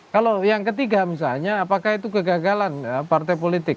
kalau yang ketiga misalnya apakah itu kegagalan partai politik